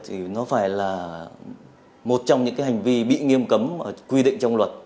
thì nó phải là một trong những cái hành vi bị nghiêm cấm quy định trong luật